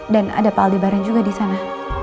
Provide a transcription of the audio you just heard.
dan ada pak aldi baran juga di sana